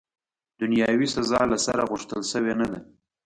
دنیاوي سزا، له سره، غوښتل سوې نه ده.